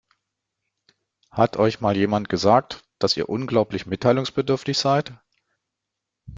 Hat euch mal jemand gesagt, dass ihr unglaublich mitteilungsbedürftig seid?